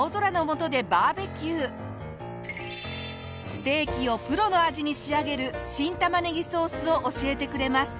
ステーキをプロの味に仕上げる新たまねぎソースを教えてくれます。